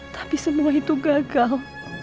tapi semua itu gagal